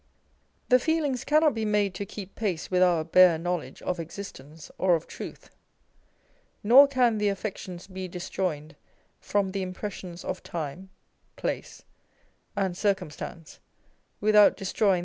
The feelings cannot be made to keep pace with our bare knowledge of existence or of truth ; nor can the affections be disjoined from the impressions of time, place, and circumstance, without destroying their vital principle.